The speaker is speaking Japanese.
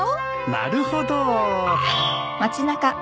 なるほど。